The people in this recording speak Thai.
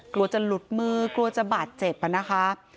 กลัวจะหลุดมือกลัวจะบาดเจ็บนะคะ